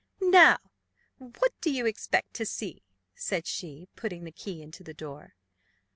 "Now, what do you expect to see?" said she, putting the key into the door.